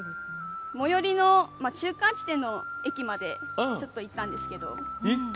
最寄りの中間地点の駅までちょっと行ったんですけど。